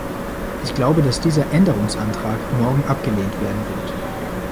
Ich glaube, dass dieser Änderungsantrag morgen abgelehnt werden wird.